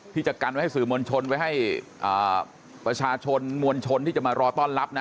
ที่จะกันไว้ให้สื่อมวลชนไว้ให้ประชาชนมวลชนที่จะมารอต้อนรับนะ